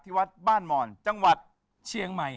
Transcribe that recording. วัดบ้านหมอนจังหวัดเชียงใหม่